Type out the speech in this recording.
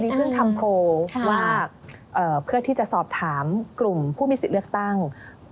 เพิ่งทำโคลว่าเพื่อที่จะสอบถามกลุ่มผู้มีสิทธิ์เลือกตั้ง